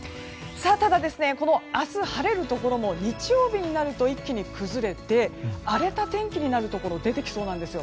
ただ、明日晴れるところも日曜日になると一気に崩れて荒れた天気になるところが出てきそうなんです。